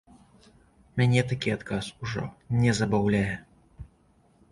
Мяне такі адказ ужо не забаўляе.